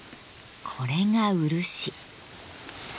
これが漆。